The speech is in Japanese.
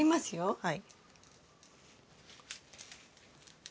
はい。